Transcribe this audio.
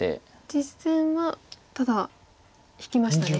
実戦はただ引きましたね。